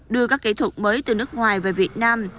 đưa các kỹ thuật mới từ nước ngoài về việt nam